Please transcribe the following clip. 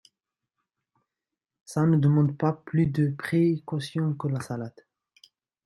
Ça ne demande pas plus de précautions que la salade.